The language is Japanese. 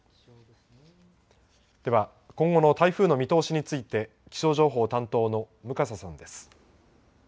では、今後の台風の見通しについて、気象情報担当の向笠さんです。